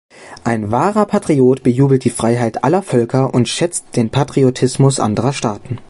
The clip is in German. Ein wahrer Patriot bejubelt die Freiheit aller Völker und schätzt den Patriotismus anderer Staaten.